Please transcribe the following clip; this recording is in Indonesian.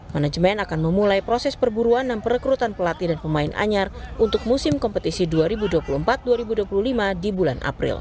manajemen akan memulai proses perburuan dan perekrutan pelatih dan pemain anyar untuk musim kompetisi dua ribu dua puluh empat dua ribu dua puluh lima di bulan april